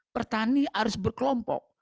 petani harus berkelompok